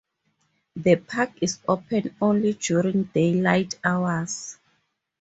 The park is open only during daylight hours.